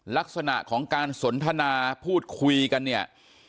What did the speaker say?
ลักษณะของการสนทนาพูดคุยกันเนี่ย